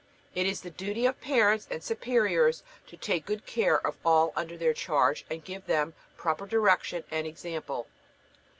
It is the duty of parents and superiors to take good care of all under their charge and give them proper direction and example.